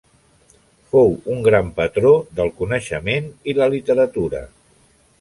Fou un gran patró del coneixement i la literatura.